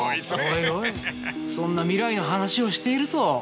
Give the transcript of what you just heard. おいおいそんな未来の話をしていると。